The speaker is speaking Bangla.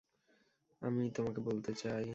আমি তোমাকে বলতে চাই।